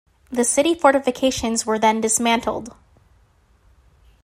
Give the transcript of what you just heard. The city fortifications were then dismantled.